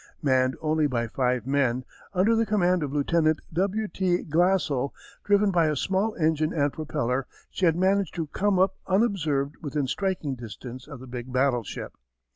Manned only by five men, under the command of Lieutenant W. T. Glassel, driven by a small engine and propeller, she had managed to come up unobserved within striking distance of the big battleship.